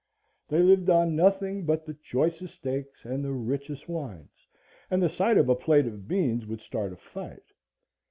They lived on nothing but the choicest steaks and the richest wines, and the sight of a plate of beans would start a fight.